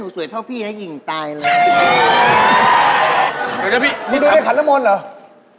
ดูดีอย่างน้องท่อง